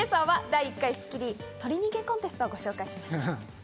第１回人間鳥コンテストをご紹介しました。